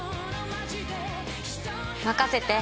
任せて。